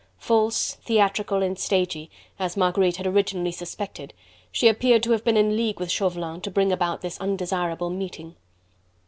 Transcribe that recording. False, theatrical and stagy as Marguerite had originally suspected she appeared to have been in league with Chauvelin to bring about this undesirable meeting.